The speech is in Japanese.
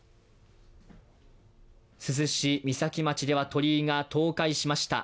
珠洲市三崎町では鳥居が倒壊しました。